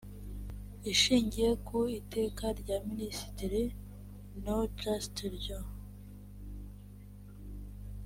ishingiye ku iteka rya minisitiri no just ryo